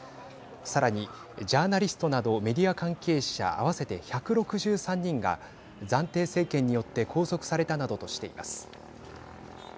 さらに、ジャーナリストなどメディア関係者合わせて１６３人が暫定政権によって拘束されたなどとしています。